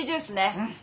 うん。